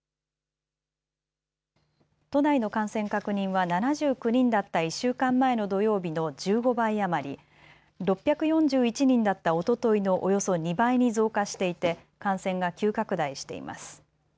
都内の感染確認は７９人だった１週間前の土曜日の１５倍余り、６４１人だったおとといのおよそ２倍に増加していて感染が急拡大しています。